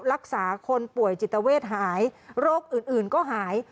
รักษาคนป่วยจิตเวทหายโรคอื่นก็หาย